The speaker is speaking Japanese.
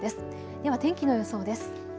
では天気の予想です。